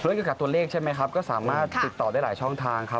เกี่ยวกับตัวเลขใช่ไหมครับก็สามารถติดต่อได้หลายช่องทางครับ